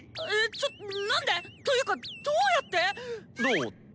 ちょっ何で⁉というかどうやって⁉「どう」って？